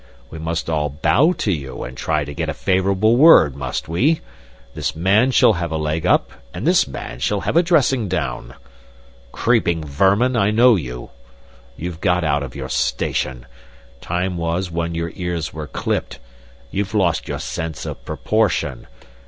We must all bow to you, and try to get a favorable word, must we? This man shall have a leg up, and this man shall have a dressing down! Creeping vermin, I know you! You've got out of your station. Time was when your ears were clipped. You've lost your sense of proportion.